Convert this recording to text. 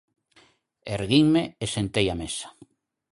Erguinme e sentei á mesa.